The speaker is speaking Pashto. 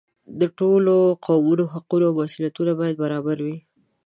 د ټولو قومونو حقونه او مسؤلیتونه باید برابر وي.